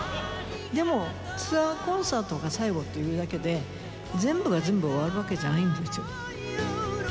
でもツアーコンサートが最後っていうだけで、全部が全部終わるわけじゃないんですよ。